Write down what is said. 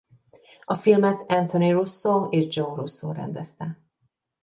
A filmet Anthony Russo és Joe Russo rendezte.